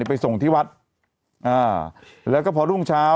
ไปส่งที่วัดอ่าแล้วก็พอรุ่งเช้า